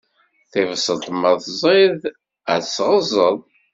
Tibṣelt ma tẓiḍ, ad tt-tɣeẓẓeḍ.